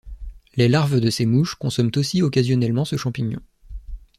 Les larves de ces mouches consomment aussi occasionnellement ce champignon.